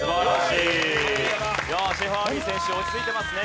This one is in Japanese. いやシェーファーアヴィ選手落ち着いてますね。